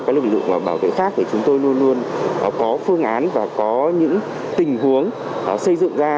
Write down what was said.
các lực lượng bảo vệ khác thì chúng tôi luôn luôn có phương án và có những tình huống xây dựng ra